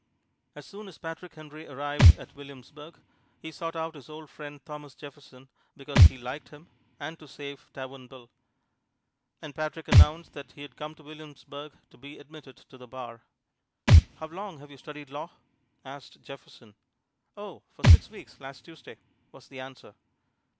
As soon as Patrick Henry arrived at Williamsburg, he sought out his old friend Thomas Jefferson, because he liked him and to save tavern bill. And Patrick announced that he had come to Williamsburg to be admitted to the bar. "How long have you studied law?" asked Jefferson. "Oh, for six weeks last Tuesday," was the answer.